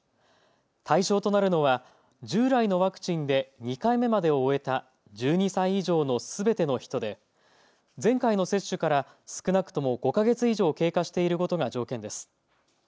対象となるのは従来のワクチンで２回目までを終えた１２歳以上のすべての人で前回の接種から少なくとも５か月以上経過していることが条件です。